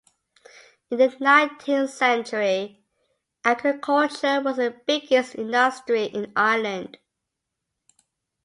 In the nineteenth century, agriculture was the biggest industry in Ireland.